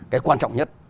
cái quan trọng nhất